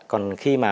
còn khi mà